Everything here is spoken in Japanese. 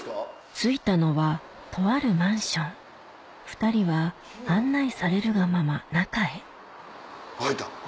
着いたのはとあるマンション２人は案内されるがまま中へ開いた。